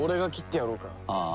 ああ？